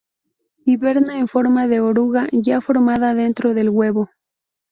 Hiberna en forma de oruga ya formada dentro del huevo.